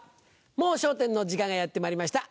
『もう笑点』の時間がやってまいりました。